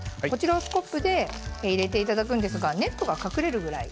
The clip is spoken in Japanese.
スコップで入れていただくんですがネットが隠れるぐらい。